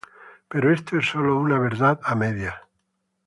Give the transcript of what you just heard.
Pero esto es sólo una verdad a medias.